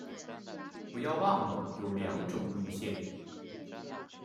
不要忘了有两种路线